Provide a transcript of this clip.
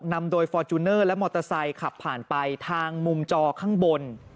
นำโดยฟอร์จูเนอร์และมอเตอร์ไซค์ขับผ่านไปทางมุมจอข้างบน